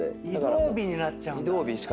移動日になっちゃうんだ。